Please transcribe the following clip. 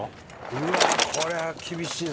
うわーこれは厳しいぞ！